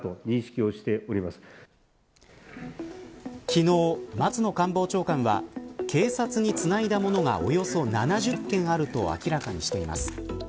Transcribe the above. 昨日、松野官房長官は警察につないだものがおよそ７０件あると明らかにしています。